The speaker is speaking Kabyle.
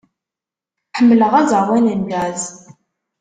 Ḥemmleɣ aẓawan n jazz.